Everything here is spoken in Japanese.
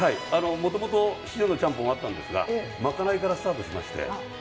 もともと塩のちゃんぽんがあったんですが、まかないからスタートしまして